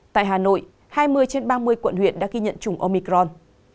tại hà nội hai mươi trên ba mươi quận huyện đã ghi nhận chủng omicron